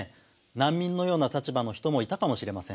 難民のような立場の人もいたかもしれません。